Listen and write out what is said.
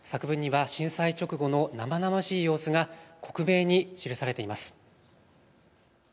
作文には震災直後の生々しい様子が克明に記されています。